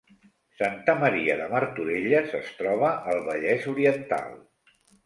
Santa Maria de Martorelles es troba al Vallès Oriental